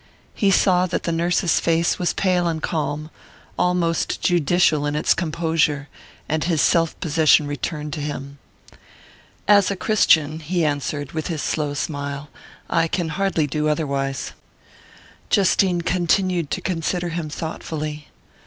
He saw that the nurse's face was pale and calm almost judicial in its composure and his self possession returned to him. "As a Christian," he answered, with his slow smile, "I can hardly do otherwise." Justine continued to consider him thoughtfully.